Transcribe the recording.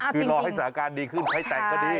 คือรอให้สถานการณ์ดีขึ้นใครแต่งก็ดี